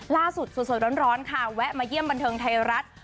ล่าสุดสดร้อนค่ะแวะมาเยี่ยมบันเทิงไทยรัฐ